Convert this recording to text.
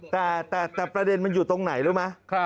แต่ประเด็นมันอยู่ตรงไหนรู้ไหม